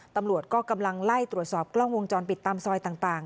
ตำรวจก็กำลังไล่ตรวจสอบกล้องวงจรปิดตามซอยต่าง